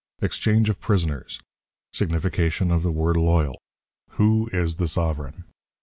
Exchange of Prisoners. Signification of the Word "loyal." Who is the Sovereign?